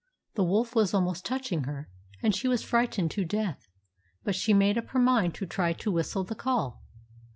The wolf was almost touching her and she was frightened to death, but she made up her mind to try to whistle the call.